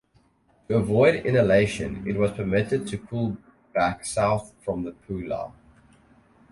To avoid annihilation it was permitted to pull back south from the Pola.